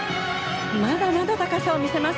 まだまだ高さを見せます。